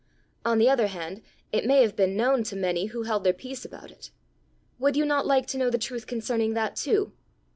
On the other hand it may have been known to many who held their peace about it. Would you not like to know the truth concerning that too?"